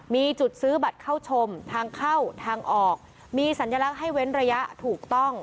มีจุดซื้อบัตรเข้าชมทางเข้าทางออกมีสัญลักษณ์ให้เว้นระยะถูกต้อง